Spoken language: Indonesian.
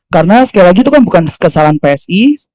karena sekali lagi itu kan bukan kesalahan psi